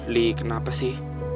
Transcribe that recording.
li kenapa sih